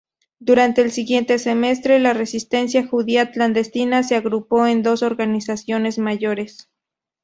Durante el siguiente semestre, la resistencia judía clandestina se agrupó en dos organizaciones mayores.